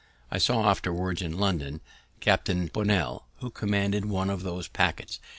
I saw afterwards in London Captain Bonnell, who commanded one of those packets.